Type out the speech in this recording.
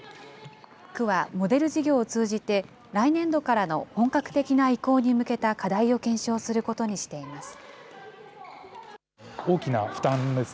区はモデル事業を通じて、来年度からの本格的な移行に向けた課題を検証することにしています。